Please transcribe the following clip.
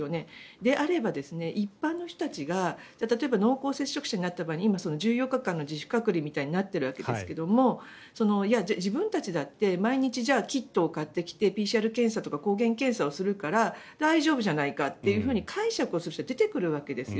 であれば、一般の人たちが例えば濃厚接触者になった場合今、１４日間の自主隔離みたいになってるわけですがじゃあ自分たちだって毎日キットを買ってきてＰＣＲ検査とか抗原検査をするから大丈夫じゃないかと解釈をする人が出てくるわけですよ。